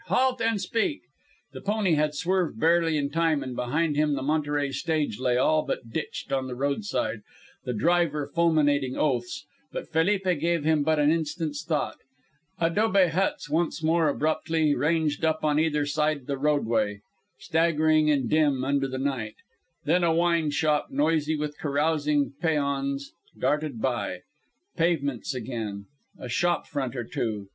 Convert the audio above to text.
Halt and speak!" The pony had swerved barely in time, and behind him the Monterey stage lay all but ditched on the roadside, the driver fulminating oaths. But Felipe gave him but an instant's thought. Dobe huts once more abruptly ranged up on either side the roadway, staggering and dim under the night. Then a wine shop noisy with carousing peons darted by. Pavements again. A shop front or two.